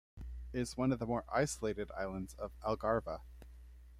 Is one of the more isolated islands of Algarve.